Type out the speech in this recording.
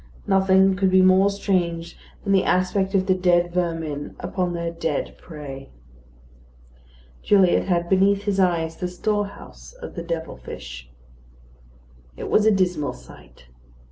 Nothing could be more strange than the aspect of the dead vermin upon their dead prey. Gilliatt had beneath his eyes the storehouse of the devil fish. It was a dismal sight.